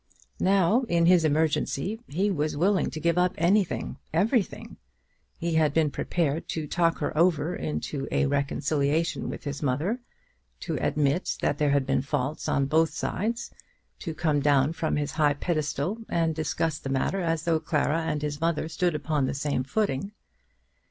Now in his emergency he was willing to give up anything, everything. He had been prepared to talk her over into a reconciliation with his mother, to admit that there had been faults on both sides, to come down from his high pedestal and discuss the matter as though Clara and his mother stood upon the same footing.